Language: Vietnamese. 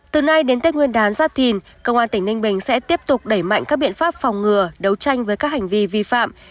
từ nay đến tết nguyên đán giáp thìn công an tỉnh ninh bình sẽ tiếp tục đẩy mạnh các biện pháp phòng ngừa đấu tranh với các hành vi vi phạm